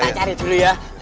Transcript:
kita cari dulu ya